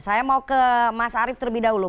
saya mau ke mas arief terlebih dahulu